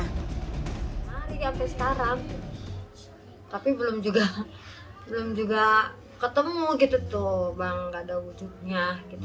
hari ini sampai sekarang tapi belum juga ketemu gitu tuh bang gak ada wujudnya